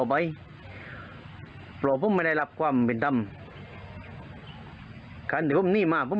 ไปเราไม่ได้รับความผิดทำนี้มาผมไม่ได้